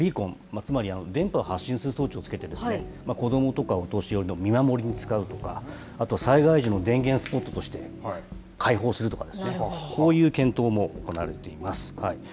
ポストにビーコン、つまり電波を発信する装置をつけて、子どもとかお年寄りの見守りに使うとか、あと災害時の電源スポットとして、開放するとかですね、こういう検討も行われています。